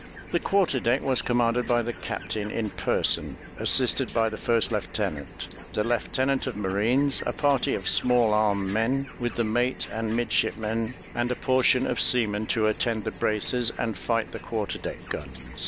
The quarter deck was commanded by the captain in person, assisted by the first lieutenant, the lieutenant of marines, a party of small arm men, with the mate and midshipmen, and a portion of seamen to attend the braces and fight the quarter deck guns.